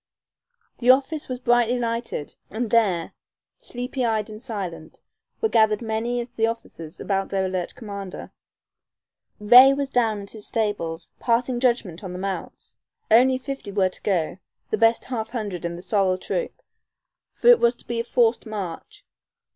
The office was brightly lighted, and there, sleepy eyed and silent, were gathered many of the officers about their alert commander. Ray was down at his stables, passing judgment on the mounts. Only fifty were to go, the best half hundred in the sorrel troop, for it was to be a forced march.